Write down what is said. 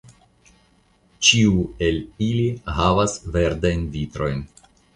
Ĉiu el ili havis verdajn vitrojn.